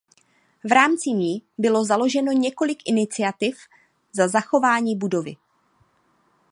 V rámci ní bylo založeno několik iniciativ za zachování budovy.